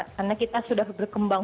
karena kita sudah berkembang